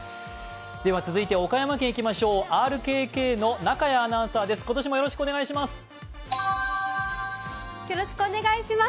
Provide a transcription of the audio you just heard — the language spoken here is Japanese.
続いて岡山県いきましょう、ＲＫＫの中屋アナウンサーです。